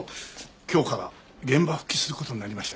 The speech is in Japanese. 今日から現場復帰する事になりました。